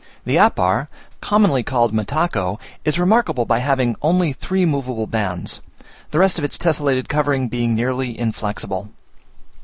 The apar, commonly called mataco, is remarkable by having only three moveable bands; the rest of its tesselated covering being nearly inflexible.